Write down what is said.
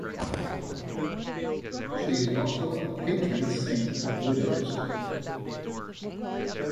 She is also a patron saint of widows.